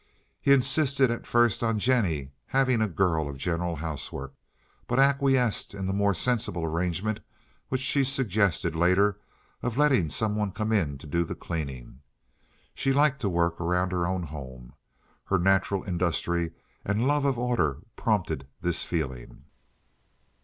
He insisted at first on Jennie having a girl of general housework, but acquiesced in the more sensible arrangement which she suggested later of letting some one come in to do the cleaning. She liked to work around her own home. Her natural industry and love of order prompted this feeling.